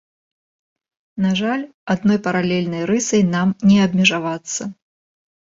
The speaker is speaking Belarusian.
На жаль, адной паралельнай рысай нам не абмежавацца.